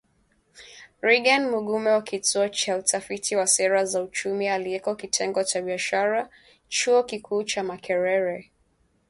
Reagan Mugume wa Kituo cha Utafiti wa Sera za Uchumi aliyeko Kitengo cha Biashara Chuo Kikuu cha Makerere